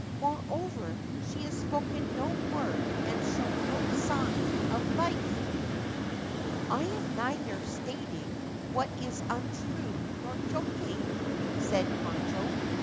Moreover, she has spoken no word and shown no sign of life/ * I am neither stating what is untrue nor joking/ said Konojo.